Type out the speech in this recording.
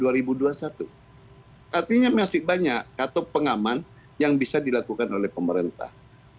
artinya masih banyak katup pengaman yang bisa dilakukan oleh pemerintah